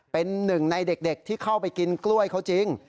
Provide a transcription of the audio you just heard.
เป็นหนึ่งในเด็กที่เข้าไปกินกล้วยเขาจริง